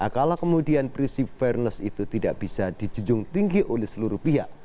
kalau kemudian prinsip fairness itu tidak bisa dijunjung tinggi oleh seluruh pihak